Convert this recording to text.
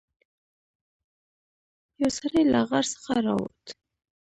یو سړی له غار څخه راووت.